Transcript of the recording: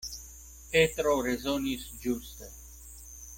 Petro rezonis ĝuste.